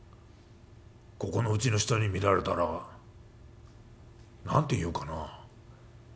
ここのうちの人に見られたら何て言うかな。